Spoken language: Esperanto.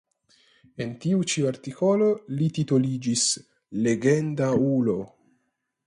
En tiu ĉi artikolo li titoliĝis "legenda ulo".